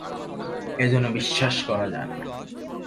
এ যে বিশ্বাস করা যায় না।